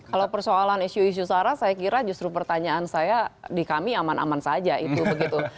kalau persoalan isu isu sara saya kira justru pertanyaan saya di kami aman aman saja itu begitu